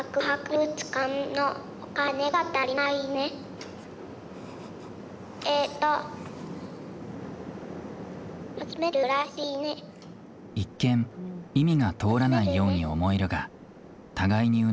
一見意味が通らないように思えるが互いにうなずき合い会話は続いていく。